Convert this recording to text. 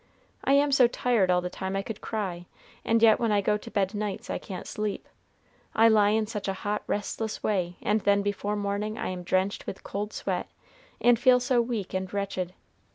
I am so tired all the time, I could cry; and yet when I go to bed nights I can't sleep, I lie in such a hot, restless way; and then before morning I am drenched with cold sweat, and feel so weak and wretched.